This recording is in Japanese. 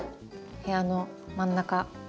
部屋の真ん中。